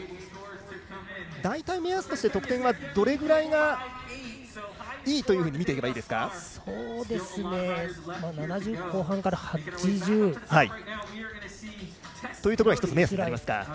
大体目安として得点はどれぐらいがいいとみていけばいいですか。